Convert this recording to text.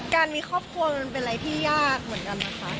การมีครอบครัวมันเป็นอะไรที่ยากเหมือนกันนะคะ